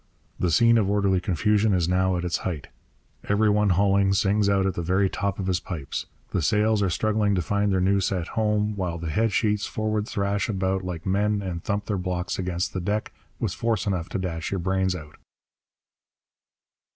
The scene of orderly confusion is now at its height. Every one hauling sings out at the very top of his pipes. The sails are struggling to find their new set home; while the headsheets forward thrash about like mad and thump their blocks against the deck with force enough to dash your brains out.